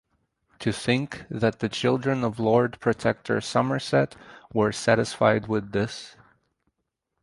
To think that the children of Lord Protector Somerset were satisfied with this!